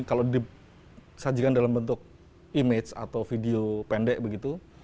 kalau disajikan dalam bentuk image atau video pendek begitu